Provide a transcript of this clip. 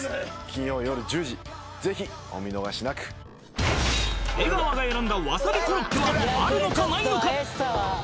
金曜よる１０時ぜひお見逃しなく出川が選んだわさびコロッケはあるのかないのか？